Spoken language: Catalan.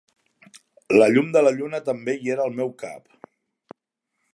La llum de la lluna també hi era al meu cap.